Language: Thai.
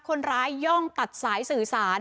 คนร้ายย่องตัดสายสื่อสาร